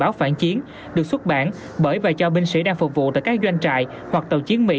báo phản chiến được xuất bản bởi và cho binh sĩ đang phục vụ tại các doanh trại hoặc tàu chiến mỹ